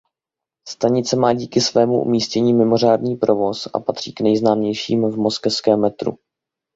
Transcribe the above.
Stanice má díky svému umístění mimořádný provoz a patří k nejznámějším v moskevském metru.